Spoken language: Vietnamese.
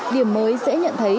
điểm mới sẽ nhận thấy